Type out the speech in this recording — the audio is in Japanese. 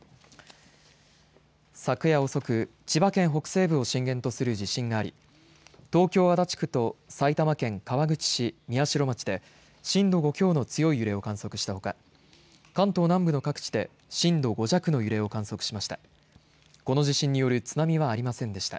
昨夜遅く、千葉県北西部を震源とする地震があり東京、足立区と埼玉県川口市宮代町で震度５強の強い揺れを観測したほか関東南部の各地で震度５弱の揺れを観測しました。